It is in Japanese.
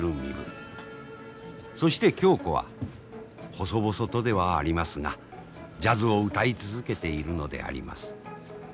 そして恭子は細々とではありますがジャズを歌い続けているのであります。